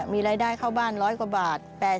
มีรายได้เข้าบ้าน๑๐๐กว่าบาท